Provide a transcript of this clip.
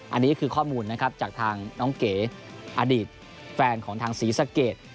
อันนี้ก็คือข้อมูลนะครับจากทางน้องเก๋อดีตแฟนของทางศรีสะเกด